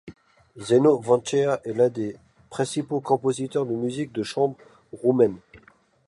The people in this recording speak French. Zeno Vancea est l’un des principaux compositeurs de musique de chambre roumaine.